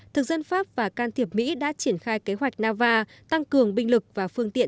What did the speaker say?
thực dân pháp và can thiệp mỹ đã triển khai kế hoạch nava tăng cường binh lực và phương tiện